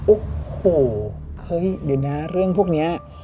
โอ้โหเฮ้ยเดี๋ยวนะเรื่องพวกนี้